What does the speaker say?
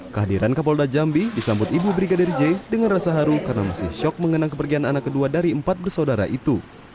kehadiran kapolda jambi disambut ibu brigadir j dengan rasa haru karena masih shock mengenang kepergian anak kedua dari empat bersaudara itu